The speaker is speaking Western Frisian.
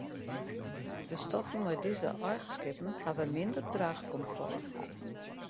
De stoffen mei dizze eigenskippen hawwe minder draachkomfort.